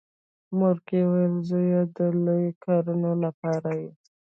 مورکۍ ویل زويه د لويو کارونو لپاره یې.